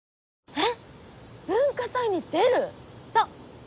えっ？